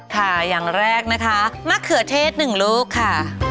อย่างแรกนะคะมะเขือเทศ๑ลูกค่ะ